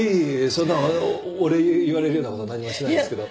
そんなお礼言われるようなことは何もしてないですけど。